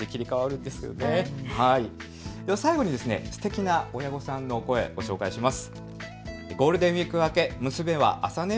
最後にすてきな親御さんの声ご紹介します。